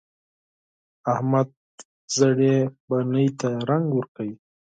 احمد زړې بنۍ ته رنګ ورکوي.